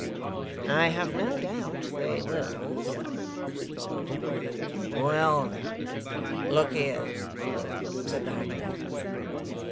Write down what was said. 'I have no doubt they will,' said the secretary. 'Well then, look here,' said the hangman.